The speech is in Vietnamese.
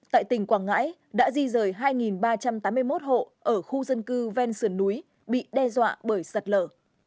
tại tỉnh quảng ngãi đã di rời hai ba trăm tám mươi một hộ ở khu dân cư ven sườn núi bị đe dọa bởi sạt lở